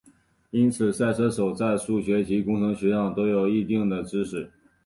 因此赛车手在数学及工程学上都有一定的知识。